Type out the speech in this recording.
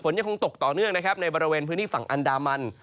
ยังคงตกต่อเนื่องนะครับในบริเวณพื้นที่ฝั่งอันดามัน